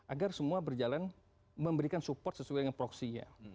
agar semua berjalan memberikan support sesuai dengan proksinya